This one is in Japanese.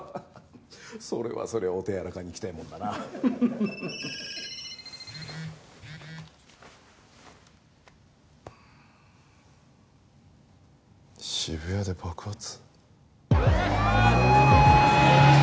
それはそれはお手柔らかにいきたいものだな渋谷で爆発？